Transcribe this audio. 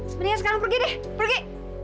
sebenarnya sekarang pergi deh pergi